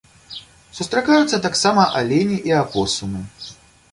Сустракаюцца таксама алені і апосумы.